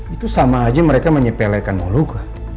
itu sama aja mereka menyepelekan moluka